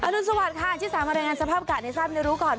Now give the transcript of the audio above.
อรุณสวัสดิ์ค่ะชิคกี้พายมารายงานสภาพการณ์ในทราบในรูก่อน